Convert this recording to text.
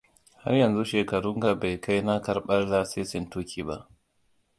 Har yanzu shekarunka bai kai na karɓar lasisin tuƙi ba.